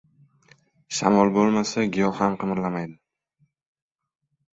• Shamol bo‘lmasa, giyoh ham qimirlamaydi.